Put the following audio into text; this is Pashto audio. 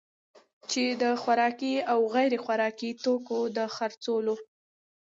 چي د خوراکي او غیر خوراکي توکو دخرڅولو